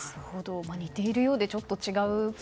似ているようでちょっと違う。